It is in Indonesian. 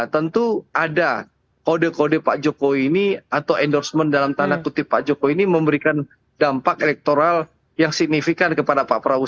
tentu ada kode kode pak jokowi ini atau endorsement dalam tanda kutip pak jokowi ini memberikan dampak elektoral yang signifikan kepada pak prabowo